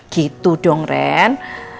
gitu dong ren